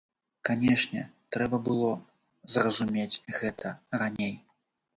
Канешне, трэба было зразумець гэта раней.